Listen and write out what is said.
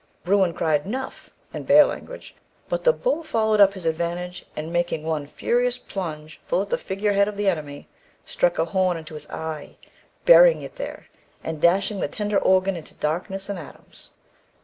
Bruin cried 'Nuff' (in bear language), but the bull followed up his advantage, and, making one furious plunge full at the figure head of the enemy, struck a horn into his eye, burying it there, and dashing the tender organ into darkness and atoms.